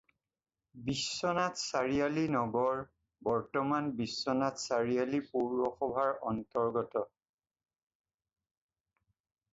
বিশ্বনাথ চাৰিআলি নগৰ বৰ্তমান বিশ্বনাথ চাৰিআলি পৌৰসভাৰ অন্তৰ্গত।